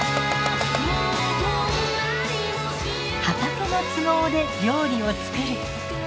畑の都合で料理を作る。